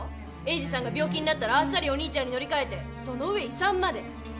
栄治さんが病気になったらあっさりお兄ちゃんに乗り換えてその上遺産まで！